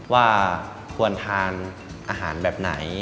ว่าควรทานอาหารแบบไหน